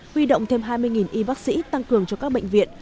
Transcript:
huy động thêm hai mươi y bác sĩ tăng cường cho các bệnh viện